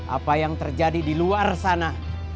apa yang terjadi di luar sana